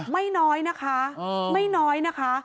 ไม่น้อยนะคะไม่น้อยนะคะ